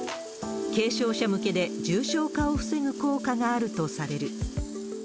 軽症者向けで、重症化を防ぐ効果があるとされる。